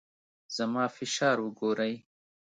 زما فشار وګورئ.